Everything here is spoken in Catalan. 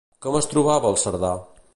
Com es trobava el Cerdà?